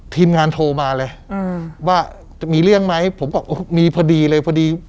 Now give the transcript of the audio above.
ทีมงานโทรมาเลยอืมว่าจะมีเรื่องไหมผมบอกมีพอดีเลยพอดี